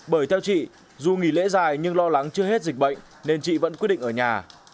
bởi theo chị dù nghỉ lễ dài nhưng lo lắng chưa hết dịch bệnh nên chị vẫn quyết định ở nhà